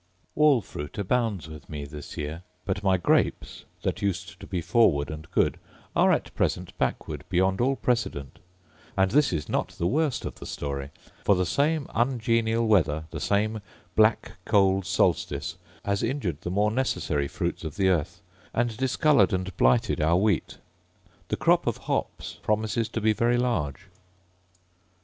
Wall fruit abounds with me this year: but my grapes, that used to be forward and good, are at present backward beyond all precedent: and this is not the worst of the story; for the same ungenial weather, the same black cold solstice, has injured the more necessary fruits of the earth, and discoloured and blighted our wheat. The crop of hops promises to be very large.